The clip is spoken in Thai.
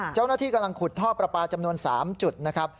เจ้าหน้าที่กำลังขุดท่อประปาจำนวน๓จุดนะครับ